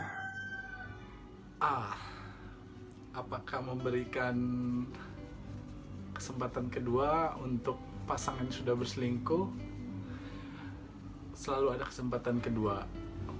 ah apakah memberikan kesempatan kedua untuk pasangan yang sudah berselingkuh selalu ada kesempatan kedua